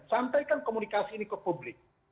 sampaikan komunikasi ini ke publik